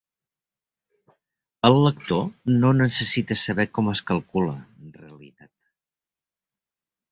El lector no necessita saber com es calcula en realitat.